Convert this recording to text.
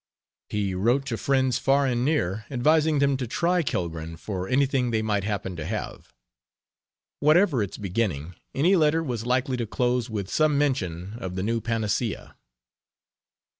He wrote to friends far and near advising them to try Kellgren for anything they might happen to have. Whatever its beginning, any letter was likely to close with some mention of the new panacea.